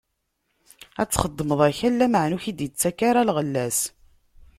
Ad txeddmeḍ akal, lameɛna ur k-d-ittak ara lɣella-s.